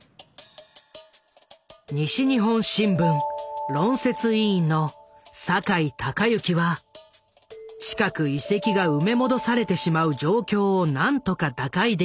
西日本新聞論説委員の坂井孝之は近く遺跡が埋め戻されてしまう状況を何とか打開できないかと考えていた。